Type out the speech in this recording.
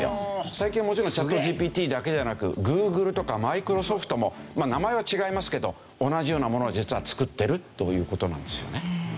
最近はもちろんチャットＧＰＴだけではなくＧｏｏｇｌｅとかＭｉｃｒｏｓｏｆｔも名前は違いますけど同じようなものを実は作ってるという事なんですよね。